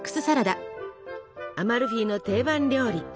アマルフィの定番料理。